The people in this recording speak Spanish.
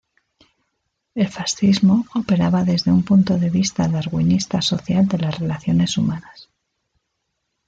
El fascismo operaba desde un punto de vista darwinista social de las relaciones humanas.